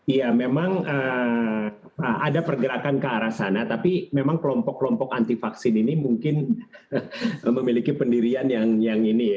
iya memang ada pergerakan ke arah sana tapi memang kelompok kelompok anti vaksin ini mungkin memiliki pendirian yang ini ya